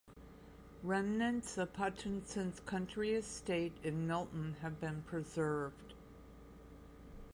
Remnants of Hutchinson's country estate in Milton have been preserved.